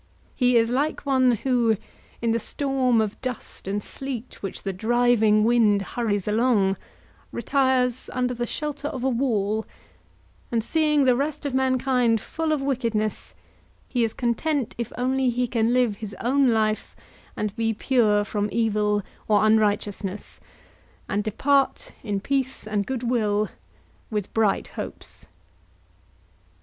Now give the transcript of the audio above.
He is like one who, in the storm of dust and sleet which the driving wind hurries along, retires under the shelter of a wall; and seeing the rest of mankind full of wickedness, he is content, if only he can live his own life and be pure from evil or unrighteousness, and depart in peace and good will, with bright hopes.